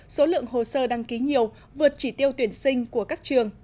số lượng hồ sơ đăng ký nhiều vượt chỉ tiêu tuyển sinh của các trường